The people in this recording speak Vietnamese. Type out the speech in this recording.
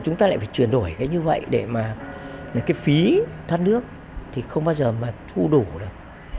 chúng ta lại phải chuyển đổi cái như vậy để mà cái phí thoát nước thì không bao giờ mà thu đủ được